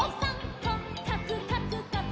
「こっかくかくかく」